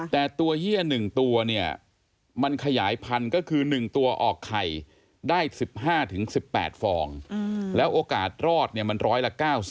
แต่ตัวเยี่ย๑ตัวเนี่ยมันขยายพันธุ์ก็คือ๑ตัวออกไข่ได้๑๕๑๘ฟองแล้วโอกาสรอดเนี่ยมันร้อยละ๙๐